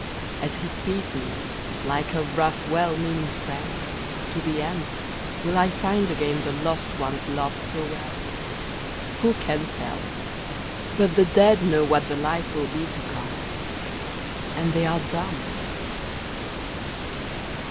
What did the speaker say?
As he speeds me, like a rough, well meaning friend, To the end, Will I find again the lost ones loved so well? Who can tell! But the dead know what the life will be to come And they are dumb!